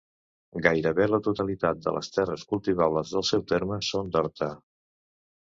Gairebé la totalitat de les terres cultivables del seu terme són d'horta.